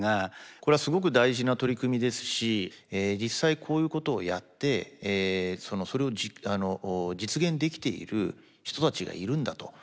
これはすごく大事な取り組みですし実際こういうことをやってそれを実現できている人たちがいるんだと。